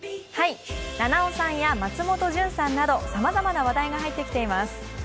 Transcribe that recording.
菜々緒さんや松本潤さんなど、さまざまな話題が入ってきています。